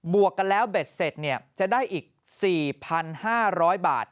วกกันแล้วเบ็ดเสร็จจะได้อีก๔๕๐๐บาท